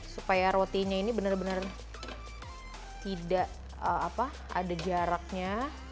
supaya rotinya ini benar benar tidak ada jaraknya